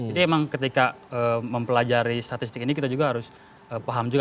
jadi memang ketika mempelajari statistik ini kita juga harus paham juga